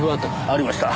ありました。